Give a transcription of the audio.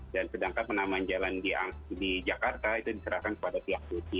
dan sedangkan penamaan jalan di jakarta itu diserahkan kepada pihak turki